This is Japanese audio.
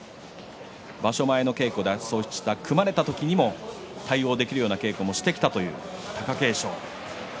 場所前の稽古では組まれた時にも対応できるような稽古もしてきたという貴景勝。